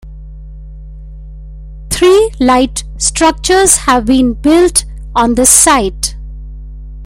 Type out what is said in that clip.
Three light structures have been built on this site.